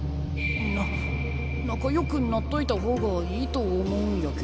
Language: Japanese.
な仲よくなっといた方がいいと思うんやけど。